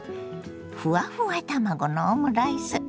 ふわふわ卵のオムライス